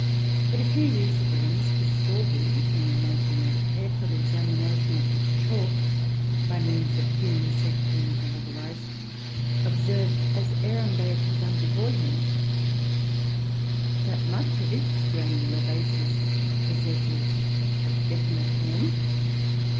But, a few years ago, Mr. Sorby, in making a careful examination of the chalk by means of thin sections and otherwise, observed, as Ehrenberg had done before him, that much of its granular basis possesses a definite form.